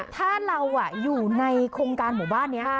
ถ้าเราอยู่ในโครงการหมู่บ้านนี้